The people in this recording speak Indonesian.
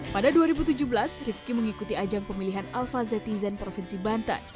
pada dua ribu tujuh belas rivki mengikuti ajang pemilihan alfa zetizen provinsi bantan